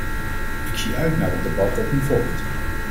Ik zie uit naar het debat dat nu volgt.